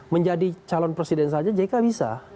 menjadi calon presiden saja jk bisa